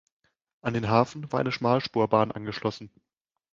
An den Hafen war eine Schmalspurbahn angeschlossen.